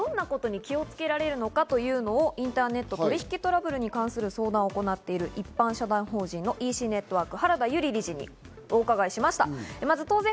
私たちはどんなことに気をつけられるのかというのをインターネット取引トラブルに関する相談を行っている、一般社団法人・ＥＣネットワークの原田由里理事にお聞きしました。